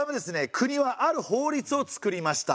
国はある法律を作りました。